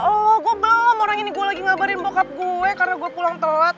oh gue belum orang ini gue lagi ngabarin bokap gue karena gue pulang telat